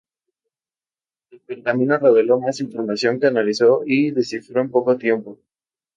El pergamino reveló más información que analizó y descifró en poco tiempo.